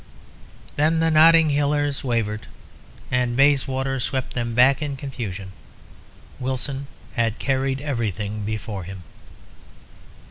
Then the Notting Hillers wavered, and Bayswater swept them back in confusion. Wilson had carried everything before him.